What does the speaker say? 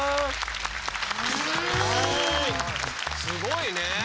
すごいね。